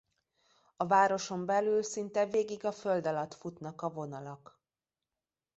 A városon belül szinte végig a föld alatt futnak a vonalak.